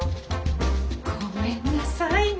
ごめんなさいね